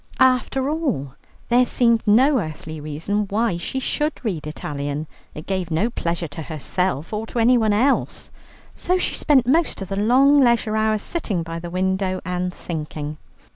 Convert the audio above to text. After all, there seemed no earthly reason why she should read Italian; it gave no pleasure to herself or to anyone else. So she spent most of the long leisure hours sitting by the window and thinking.